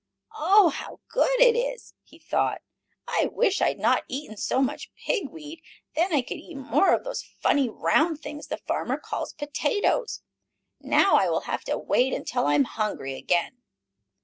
"Oh, how good it is!" he thought. "I wish I had not eaten so much pig weed, then I could eat more of those funny, round things the farmer calls potatoes. Now I will have to wait until I am hungry again."